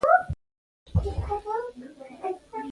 که غواړئ لوړ مقام ترلاسه کړئ کوچنی فکر مه کوئ.